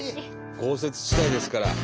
豪雪地帯ですから。